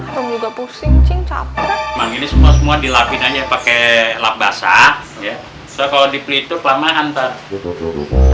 rum juga pusing cing capre